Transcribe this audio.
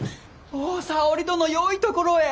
おぉ沙織殿よいところへ。